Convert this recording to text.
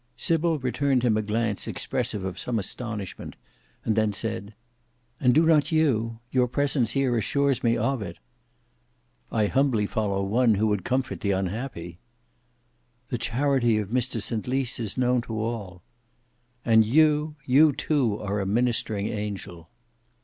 Sybil returned him a glance expressive of some astonishment, and then said, "And do not you? Your presence here assures me of it." "I humbly follow one who would comfort the unhappy." "The charity of Mr St Lys is known to all." "And you—you too are a ministering angel."